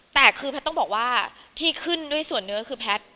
แต่คือแพทย์ต้องบอกว่าที่ขึ้นด้วยส่วนเนื้อคือแพทย์